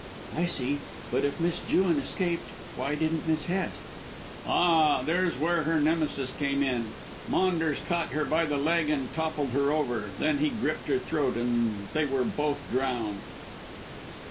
"I see. But if Miss Jewin escaped why didn't Miss Hest?" "Ah, that's where her Nemesis came in. Maunders caught her by the leg and toppled her over, then he gripped her throat, and they were both drowned."